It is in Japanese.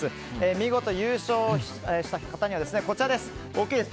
見事優勝した方には大きいです。